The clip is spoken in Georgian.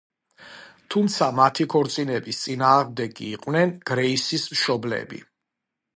თუმცა მათი ქორწინების წინააღმდეგები იყვნენ გრეისის მშობლები.